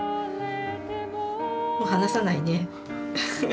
もう離さないね。